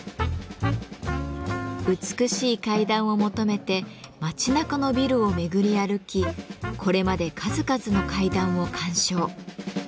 美しい階段を求めて街なかのビルを巡り歩きこれまで数々の階段を鑑賞。